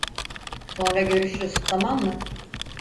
Sonra görüşürüz tamam mı?